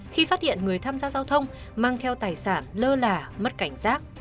khi phát hiện người tham gia giao thông mang theo tài sản lơ là mất cảnh giác